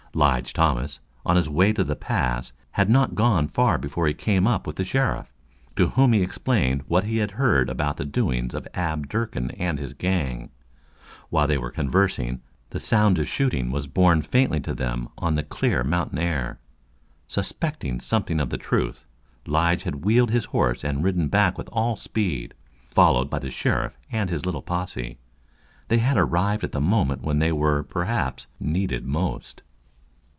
Lige Thomas, on his way to the Pass, had not gone far before he came up with the sheriff, to whom he explained what he had heard about the doings of Ab Durkin and his gang. While they were conversing, the sound of the shooting was borne faintly to them on the clear mountain air. Suspecting something of the truth, Lige had wheeled his horse and ridden back with all speed, followed by the sheriff and his little posse. They had arrived at the moment when they were, perhaps, needed most.